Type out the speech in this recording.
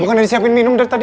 bukan disiapin minum dari tadi